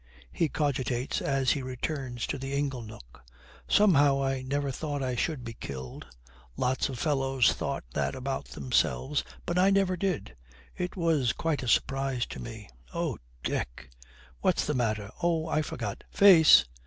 He cogitates as he returns to the ingle nook. 'Somehow I never thought I should be killed. Lots of fellows thought that about themselves, but I never did. It was quite a surprise to me.' 'Oh, Dick!' 'What's the matter? Oh, I forgot. Face!'